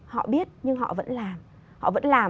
họ biết nhưng họ vẫn làm